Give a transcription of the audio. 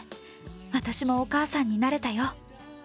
私も、”お母さん”になれたよ。